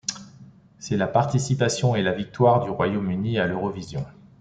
C'est la participation et la victoire du Royaume-Uni à l'Eurovision.